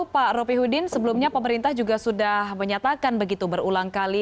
pak ropihudin sebelumnya pemerintah juga sudah menyatakan begitu berulang kali